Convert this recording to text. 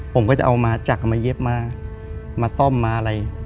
ผมก็จะเอามาจากเอามาเย็บมามาซ่อมมาอะไร